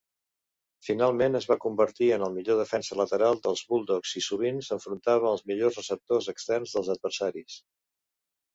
Finalment es va convertir en el millor defensa lateral dels Bulldogs i sovint s'enfrontava als millors receptors externs dels adversaris.